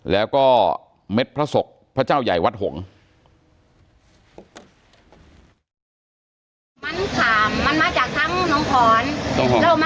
แล้วก็เม็ดพระศกพระเจ้าใหญ่วัดหงษ์